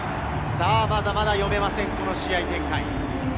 まだまだ読めません、この試合展開。